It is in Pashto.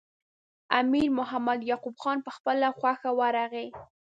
امیر محمد یعقوب خان په خپله خوښه ورغی.